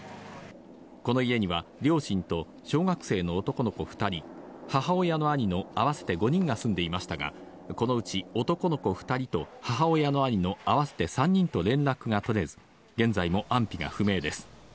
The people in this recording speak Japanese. この家には両親と小学生の男の子２人、母親の兄の合わせて５人が住んでいましたが、このうち男の子２人と母親の兄の合わせて３人と連絡が取れず、現在も安否が不明です。